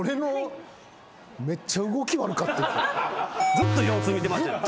ずっと様子見てましたよね。